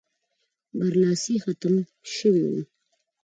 برلاسی ختم شوی وو.